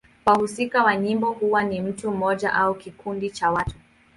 Wahusika wa nyimbo huwa ni mtu mmoja au kikundi cha watu.